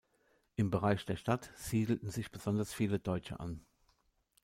Im Bereich der Stadt siedelten sich besonders viele Deutsche an.